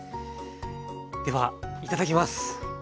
ではいただきます。